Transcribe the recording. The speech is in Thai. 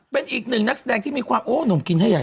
เป็นอีกหนึ่งนักแสดงที่มีความโอ้หนุ่มกินให้ใหญ่